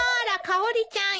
かおりちゃん！？